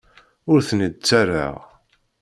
Ur ten-id-ttarraɣ.